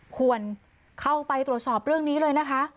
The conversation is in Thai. ควรเข้าไปตรวจสอบเรื่องนี้เลยนะคะ